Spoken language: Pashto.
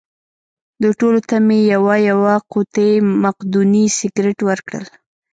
دوی ټولو ته مې یوه یوه قوطۍ مقدوني سګرېټ ورکړل.